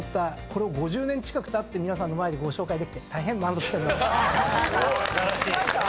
これを５０年近くたって皆さんの前でご紹介できて大変満足しております。